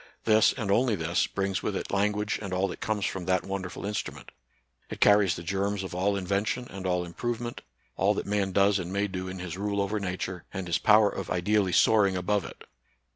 This, and only this, brings with it language and all that comes from that wonderful instrument ; it carries the germs . of all invention and all improvement, all that man does and may do in his rule over Nature and his power of ideally soaring above it.